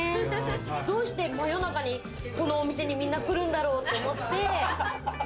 どうして真夜中にこのお店にみんな来るんだろう？と思って。